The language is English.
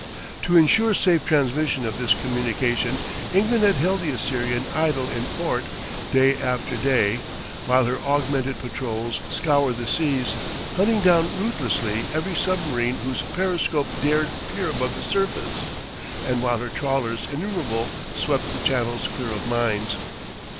To insure safe transmission of this communication, England had held the Assyrian idle in port, day after day, while her augmented patrols scoured the seas, hunting down ruthlessly every submarine whose periscope dared peer above the surface, and while her trawlers innumerable swept the channels clear of mines.